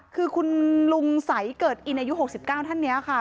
คือคุณลุงใสเกิดอินอายุ๖๙ท่านนี้ค่ะ